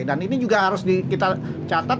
dan ini juga harus kita catat